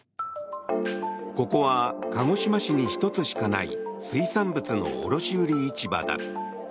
ここは鹿児島市に１つしかない水産物の卸売市場だ。